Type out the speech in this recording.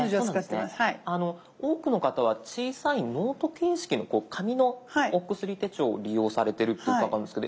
多くの方は小さいノート形式のこう紙のお薬手帳を利用されてるって伺うんですけど